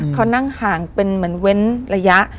เขานั่งห่างเป็นเหมือนเว้นระยะ